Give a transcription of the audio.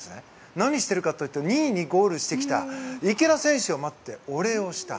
何をしてるかというと２位にゴールしてきた池田選手を待ってお礼をした。